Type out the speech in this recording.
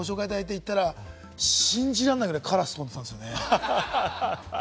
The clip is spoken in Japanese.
ご紹介いただいて行ったら、信じらんないぐらいカラスが飛んでたんですよね。